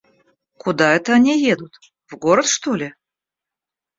Куда это они едут, в город, что ли?